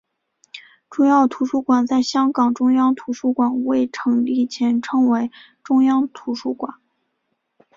主要图书馆在香港中央图书馆未成立前称为中央图书馆。